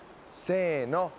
せの。